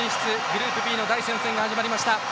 グループＢの第３戦が始まりました。